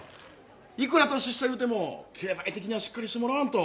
いくら年下いうても経済的にはしっかりしてもらわんと。